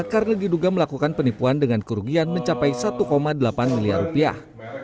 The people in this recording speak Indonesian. karena diduga melakukan penipuan dengan kerugian mencapai satu delapan miliar rupiah